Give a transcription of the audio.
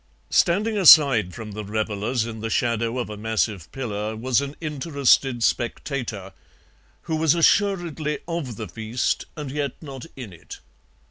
"Standing aside from the revellers in the shadow of a massive pillar was an interested spectator who was assuredly of the feast, and yet not in it.